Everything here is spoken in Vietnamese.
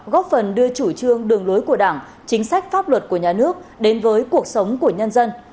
góp phần đưa chủ trương đường lối của đảng chính sách pháp luật của nhà nước đến với cuộc sống của nhân dân